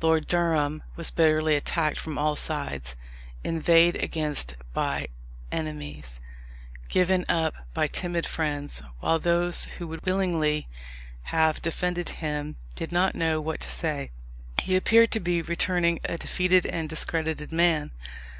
Lord Durham was bitterly attacked from all sides, inveighed against by enemies, given up by timid friends; while those who would willingly have defended him did not know what to say. He appeared to be returning a defeated and discredited man.